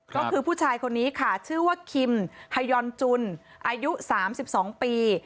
ก็คือผู้ชายคนนี้ค่ะชื่อว่าคิมฮายอนจุนอายุ๓๒ปี